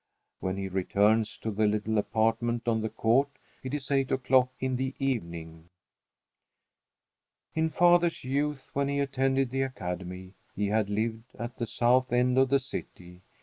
When he returns to the little apartment on the court, it is eight o'clock in the evening. In father's youth, when he attended the Academy, he had lived at the south end of the city.